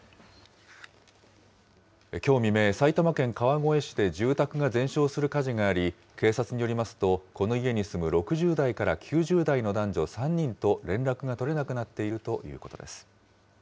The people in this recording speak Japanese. きょう未明、埼玉県川越市で住宅が全焼する火事があり、警察によりますと、この家に住む６０代から９０代の男女３人と連絡が取れなくなっているということです。